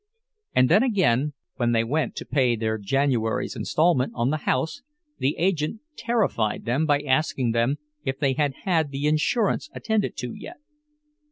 And then again, when they went to pay their January's installment on the house, the agent terrified them by asking them if they had had the insurance attended to yet.